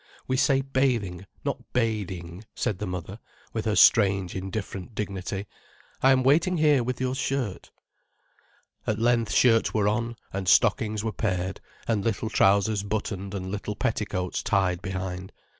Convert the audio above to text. "We say bathing, not bading," said the mother, with her strange, indifferent dignity. "I am waiting here with your shirt." At length shirts were on, and stockings were paired, and little trousers buttoned and little petticoats tied behind.